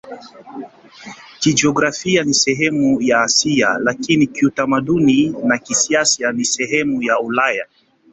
Kijiografia ni sehemu ya Asia, lakini kiutamaduni na kisiasa ni sehemu ya Ulaya.